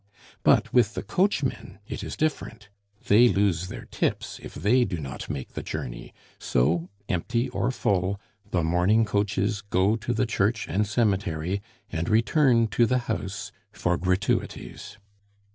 But with the coachmen it is different; they lose their tips if they do not make the journey; so, empty or full, the mourning coaches go to the church and cemetery and return to the house for gratuities.